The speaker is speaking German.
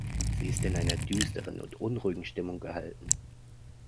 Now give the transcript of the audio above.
Sie ist in einer düsteren und unruhigen Stimmung gehalten.